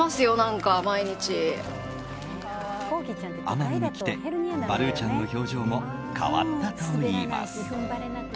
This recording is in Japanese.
奄美に来て、バルーちゃんの表情も変わったといいます。